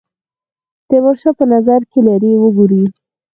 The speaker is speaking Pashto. تیمورشاه په نظر کې لري وګوري.